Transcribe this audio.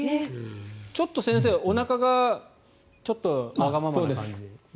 ちょっと先生、おなかがちょっとわがままな感じで。